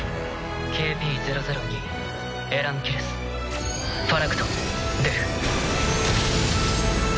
ＫＰ００２エラン・ケレスファラクト出る。